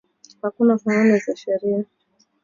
Hakuna kanuni za sheria